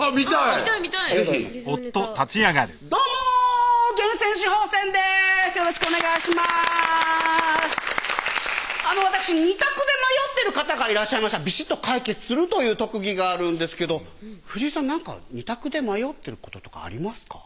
わたくし二択で迷ってる方がいらっしゃいましたらビシッと解決するという特技があるんですけど藤井さん二択で迷ってることとかありますか？